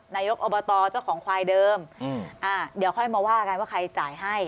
นายกอบตเจ้าของควายเดิมเดี๋ยวค่อยมาว่ากันว่าใครจ่ายให้